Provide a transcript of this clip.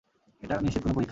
এটা নিশ্চিত কোনো পরীক্ষা।